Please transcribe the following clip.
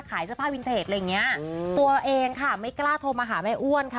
ขายเสื้อผ้าวินเทจอะไรอย่างเงี้ยตัวเองค่ะไม่กล้าโทรมาหาแม่อ้วนค่ะ